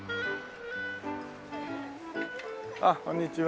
あっこんにちは。